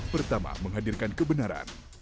pertama menghadirkan kebenaran